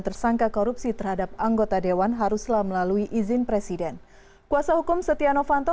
tersangka korupsi terhadap anggota dewan haruslah melalui izin presiden kuasa hukum setia novanto